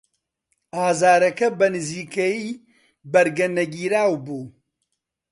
ئازارەکە بەنزیکەیی بەرگەنەگیراو بوو.